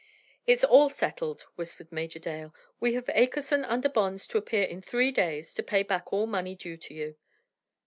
"It's all settled," whispered Major Dale. "We have Akerson under bonds to appear in three days to pay back all money due you."